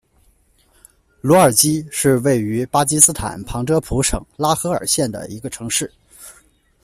卢尔基是位于巴基斯坦旁遮普省拉合尔县的一个城市。